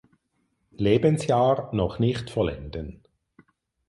Lebensjahr noch nicht vollenden.